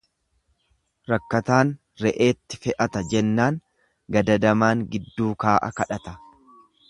Rakkataan re'eetti fe'ata jennaan gadadamaan giddu kaa'a kadhata.